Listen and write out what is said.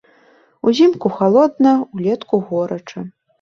Узімку халодна, улетку горача.